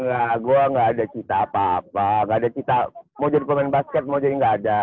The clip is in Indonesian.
engga gua ga ada cita apa apa ga ada cita mau jadi pemain basket mau jadi ga ada